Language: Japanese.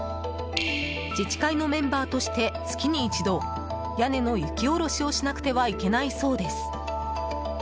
自治会のメンバーとして月に一度屋根の雪下ろしをしなくてはいけないそうです。